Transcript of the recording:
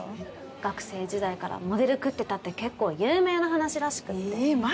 学生時代からモデル食ってたって結構有名な話らしくってええーマジですか？